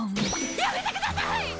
やめてください！